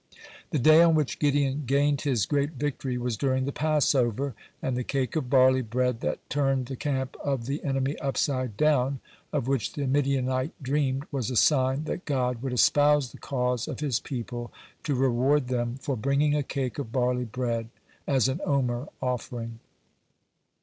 (99) The day on which Gideon gained his great victory was during the Passover, and the cake of barley bread that turned the camp of the enemy upside down, of which the Midianite dreamed, was a sign that God would espouse the cause of His people to reward them for bringing a cake of barley bread as an 'Omer offering.